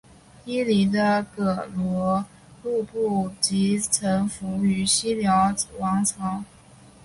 伊犁的葛逻禄部即臣服于西辽王朝。